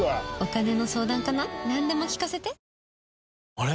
あれ？